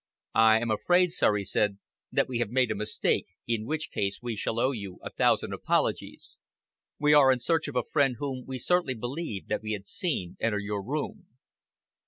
"I am afraid, sir," he said, "that we have made a mistake in which case we shall owe you a thousand apologies. We are in search of a friend whom we certainly believed that we had seen enter your room."